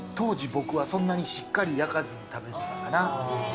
そんなにしっかり焼かず食べてたかな。